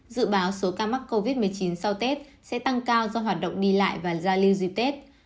dự báo số ca mắc covid một mươi chín sau tết sẽ tăng cao do hoạt động đi lại và giao lưu dịp tết